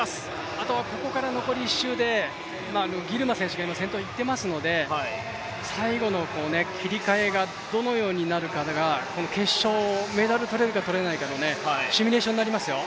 あとはここから残り１周で、ギルマ選手が先頭を行ってますので最後の切り替えがどのようになるかがこの決勝、メダルを取れるか取れないかということになります。